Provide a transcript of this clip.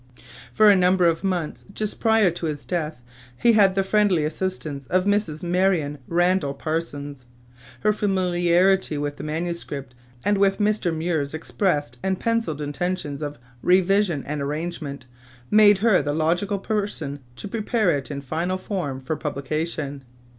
For a number of months just prior to his death he had the friendly assistance of Mrs. Marion Randall Parsons. Her familiarity with the manuscript, and with Mr. Muir's expressed and penciled intentions of revision and arrangement, made her the logical person to prepare it in final form for publication.